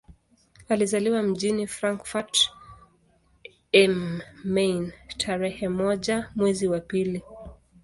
Alizaliwa mjini Frankfurt am Main tarehe moja mwezi wa pili